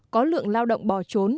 có lượng lao động bỏ trốn